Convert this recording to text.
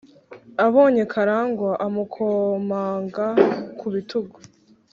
abonye Karangwa amukomanga ku bitugu.